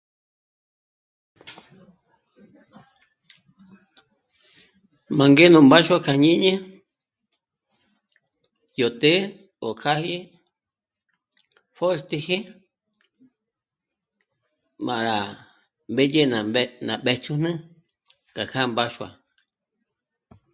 M'á ngé nú mbáxua k'a jñíni yó të'ë o kjâji pjö́xtiji m'ârá mbédye ná mbé... ná mbéch'ünü k'ajá mbáxua